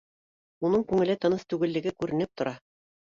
Уның күңеле тыныс түгеллеге күренеп тора